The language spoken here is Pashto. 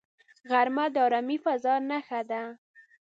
غرمه د آرامې فضاء نښه ده